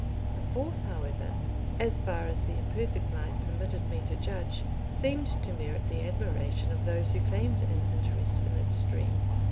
The Forth, however, as far as the imperfect light permitted me to judge, seemed to merit the admiration of those who claimed an interest in its stream.